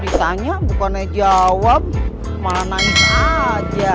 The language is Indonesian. disanya bukannya jawab malah nangis aja